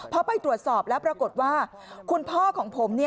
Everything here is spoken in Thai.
พอไปตรวจสอบแล้วปรากฏว่าคุณพ่อของผม